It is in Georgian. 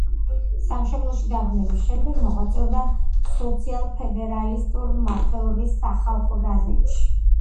სამშობლოში დაბრუნების შემდეგ მოღვაწეობდა სოციალ-ფედერალისტური მიმართულების „სახალხო გაზეთში“.